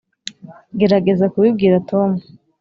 gerageza kubibwira tom